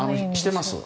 しています。